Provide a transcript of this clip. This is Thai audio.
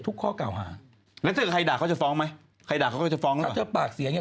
แต่ทุกอย่างเป็นปั๊บอะ